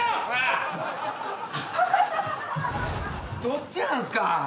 どっちなんすか？